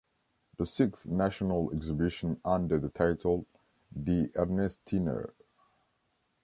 The sixth national exhibition under the title "Die Ernestiner.